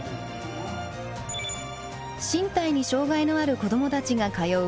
身体に障がいのある子どもたちが通うこの学校。